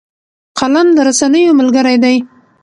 قلم د رسنیو ملګری دی